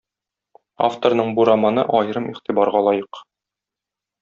Авторның бу романы аерым игътибарга лаек.